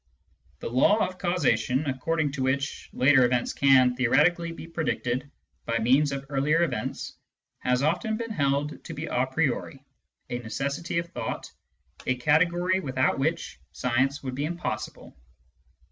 The law of causation, according to which later events can theoretically be predicted by means of earlier events, has often been held to be a priori^ a necessity of thought, a category without which science would be impossible.